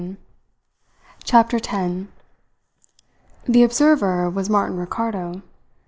CHAPTER TEN The observer was Martin Ricardo.